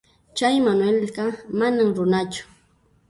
Chay Manuelqa manam runachu.